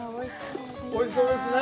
おいしそうですね。